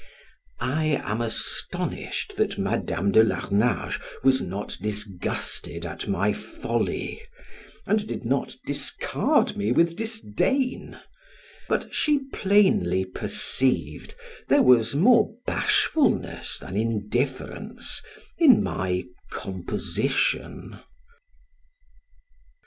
I am astonished that Madam de Larnage was not disgusted at my folly, and did not discard me with disdain; but she plainly perceived there was more bashfulness than indifference in my composition.